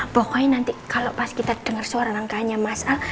pokoknya nanti kalau pas kita dengar suara rangkanya mas al